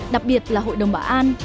đặc biệt là hội đồng bảo an